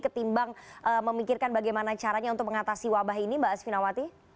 ketimbang memikirkan bagaimana caranya untuk mengatasi wabah ini mbak asvinawati